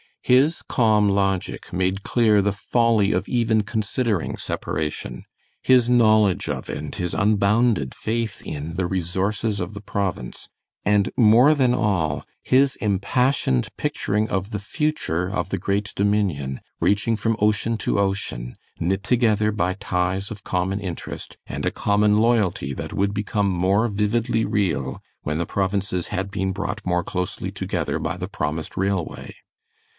His calm logic made clear the folly of even considering separation; his knowledge of, and his unbounded faith in, the resources of the province, and more than all, his impassioned picturing of the future of the great Dominion reaching from ocean to ocean, knit together by ties of common interest, and a common loyalty that would become more vividly real when the provinces had been brought more closely together by the promised railway.